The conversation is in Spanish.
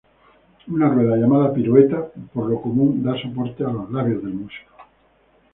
Una rueda llamada pirueta, por lo común da soporte a los labios del músico.